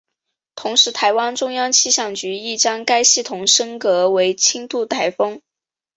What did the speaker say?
同时台湾中央气象局亦将该系统升格为轻度台风。